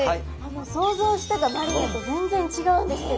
想像してたマリネと全然違うんですけど。